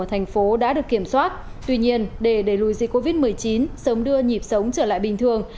thành phố đã được kiểm soát tuy nhiên để đẩy lùi dịch covid một mươi chín sớm đưa nhịp sống trở lại bình thường